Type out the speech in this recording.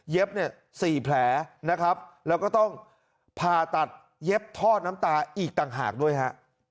เนี่ย๔แผลนะครับแล้วก็ต้องผ่าตัดเย็บทอดน้ำตาอีกต่างหากด้วยฮะ